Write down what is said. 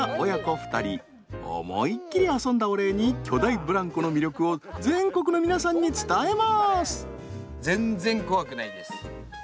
思いっきり遊んだお礼に巨大ブランコの魅力を全国の皆さんに伝えます。